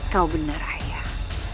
kau benar ayah